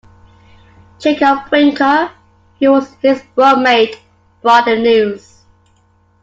Jacob Brinker, who was his roadmate, brought the news.